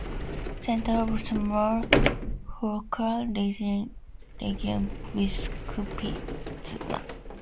Center of small folklore region - Biskupizna.